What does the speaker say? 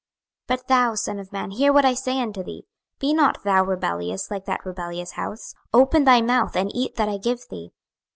26:002:008 But thou, son of man, hear what I say unto thee; Be not thou rebellious like that rebellious house: open thy mouth, and eat that I give thee.